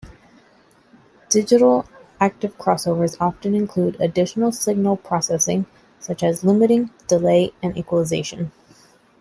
Digital active crossovers often include additional signal processing, such as limiting, delay, and equalization.